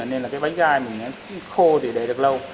nên là cái bánh gai mình nó khô thì để được lâu